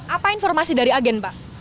apa informasi dari agen pak